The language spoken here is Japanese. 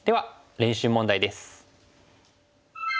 練習問題です。